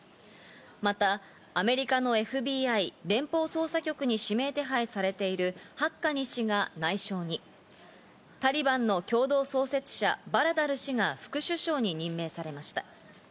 また、アメリカのＦＢＩ＝連邦捜査局に指名手配されているハッカニ氏が内相に、タリバンの共同創設者バラダル師が副首相に任命されました。